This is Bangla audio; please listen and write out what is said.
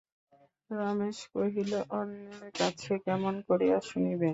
রমেশ কহিল, অন্যের কাছে কেমন করিয়া শুনিবে?